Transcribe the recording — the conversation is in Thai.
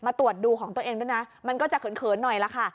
ตรวจดูของตัวเองด้วยนะมันก็จะเขินหน่อยล่ะค่ะ